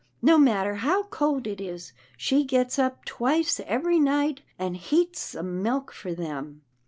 " No matter how cold it is, she gets up twice every night, and heats some milk for them."